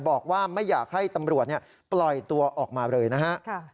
บอกว่าไม่อยากให้ตำรวจปล่อยตัวออกมาเลยนะฮะ